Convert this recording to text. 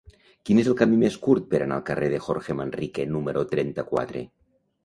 Quin és el camí més curt per anar al carrer de Jorge Manrique número trenta-quatre?